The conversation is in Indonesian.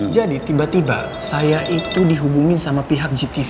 jadi tiba tiba saya itu dihubungin sama pihak gtv